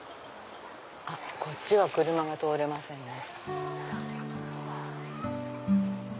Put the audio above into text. あっこっちは車が通れませんね。